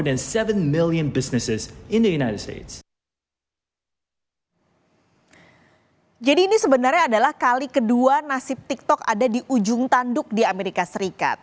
kami tahu bahwa tiktok ini akan menjadi tanda yang terbaik di amerika serikat